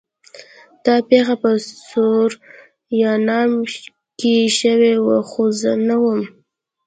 دا پیښه په سورینام کې شوې وه خو زه نه وم